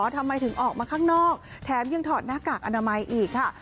ทำไมถึงออกมาข้างนอกแถมยังถอดหน้ากากอนามัยอีกค่ะ